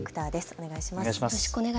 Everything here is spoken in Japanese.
お願いします。